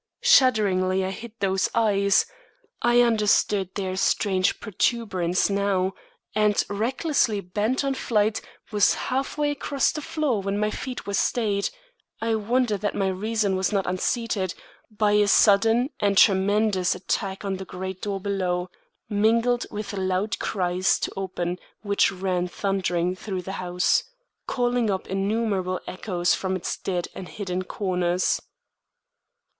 Shudderingly I hid those eyes (I understood their strange protuberance now) and recklessly bent on flight, was half way across the floor when my feet were stayed I wonder that my reason was not unseated by a sudden and tremendous attack on the great door below, mingled with loud cries to open which ran thundering through the house, calling up innumerable echoes from its dead and hidden corners.